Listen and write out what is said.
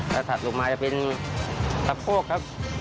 แล้วถัดลงมาจะเป็นตะโคกครับ